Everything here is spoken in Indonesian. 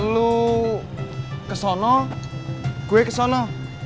lu kesana gue kesana